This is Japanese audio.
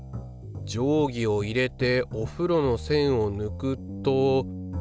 定規を入れておふろのせんをぬくと。